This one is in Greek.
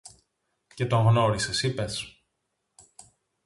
Και τον γνώρισες είπες;